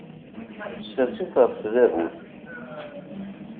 Ssers-it ɣef tdabut.